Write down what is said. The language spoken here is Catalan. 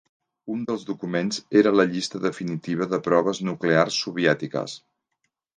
Un dels documents era la llista definitiva de proves nuclears soviètiques.